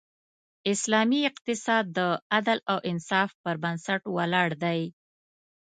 اسلامی اقتصاد د عدل او انصاف پر بنسټ ولاړ دی.